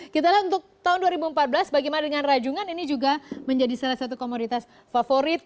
kita lihat untuk tahun dua ribu empat belas bagaimana dengan rajungan ini juga menjadi salah satu komoditas favorit